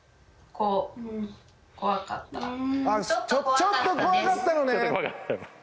ちょっと怖かったのね。